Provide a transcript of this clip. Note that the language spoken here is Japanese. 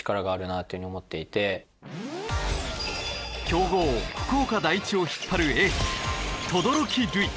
強豪福岡第一を引っ張るエース轟琉維。